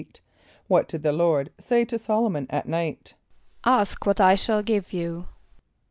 = What did the Lord say to S[)o]l´o mon at night? ="Ask what I shall give you."